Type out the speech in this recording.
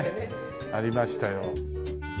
ありましたよ。